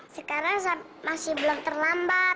sekarang masih belum terlambat